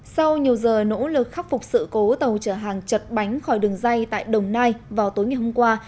sau nhiều giờ nỗ lực khắc phục sự cố tàu chở hàng chật bánh khỏi đường dây tại đồng nai vào tối ngày hôm qua